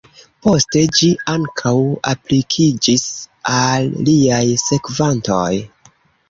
Poste ĝi ankaŭ aplikiĝis al liaj sekvantoj.